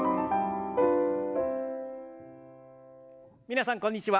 皆さんこんにちは。